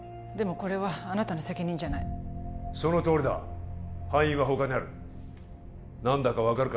これはあなたの責任じゃないそのとおりだ敗因は他にある何だか分かるか？